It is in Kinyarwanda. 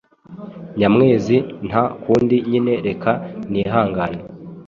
Nyamwezi: Nta kundi nyine reka nihangane.